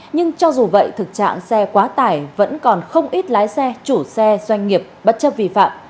nhưng cho dù vậy thực trạng xe quá tải vẫn còn không ít lái xe chủ xe doanh nghiệp bất chấp vi phạm